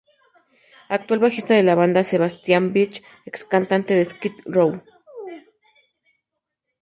Actual bajista de la banda de Sebastian Bach, ex cantante de Skid Row.